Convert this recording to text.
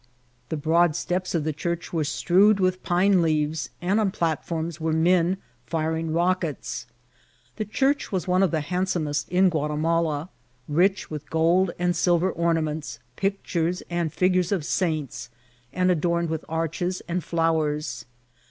The broad steps of the church were strewed with pine leaves, and on the plat* form were men firing rockets. The church was one of the handsomest in Guatimala, rich with gold and silver ornaments, pictures, and figures of saints, and adorned with arches and flowers.